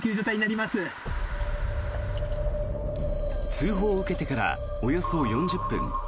通報を受けてからおよそ４０分。